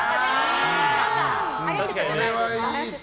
何かはやってたじゃないですか。